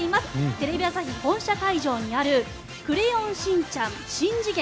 テレビ朝日本社会場にあるクレヨンしんちゃんしん次元！